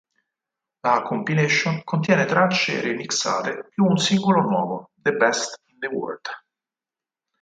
La compilation contiene tracce remixate più un singolo nuovo, "The Best in the World".